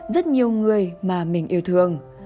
rất nhiều người mà mình yêu thương